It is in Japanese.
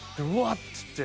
っつって。